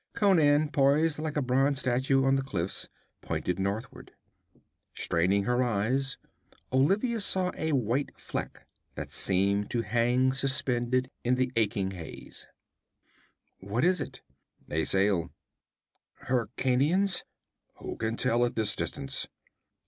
Conan, poised like a bronze statue on the cliffs, pointed northward. Straining her eyes, Olivia saw a white fleck that seemed to hang suspended in the aching haze. 'What is it?' 'A sail.' 'Hyrkanians?' 'Who can tell, at this distance?'